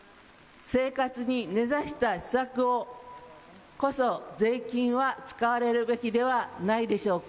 生活に根ざした施策こそ税金は使われるべきではないでしょうか。